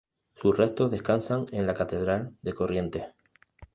Sus restos descansan en la Catedral de Corrientes.